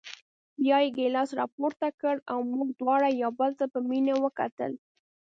بیا یې ګیلاس راپورته کړ او موږ دواړو یو بل ته په مینه وکتل.